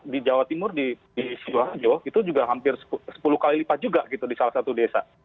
di jawa timur di sidoarjo itu juga hampir sepuluh kali lipat juga gitu di salah satu desa